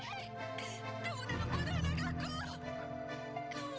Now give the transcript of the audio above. kamu tak membutuhkan anak aku